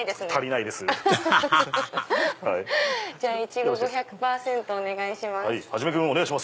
「いちご５００％」お願いします。